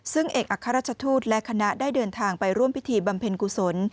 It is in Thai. ซึ่งเอกอัครราชทูตและคณะได้เดินทางไปร่วมพิธีบำเพ็ญกุศล